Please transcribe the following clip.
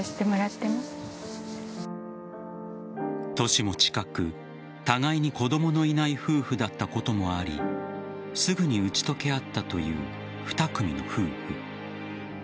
年も近く互いに子供のいない夫婦だったこともありすぐに打ち解けあったという２組の夫婦。